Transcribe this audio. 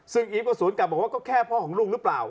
ซึ่งอีฟก็สวนกลับบอกว่าก็แค่พ่อของลูกหรือเปล่า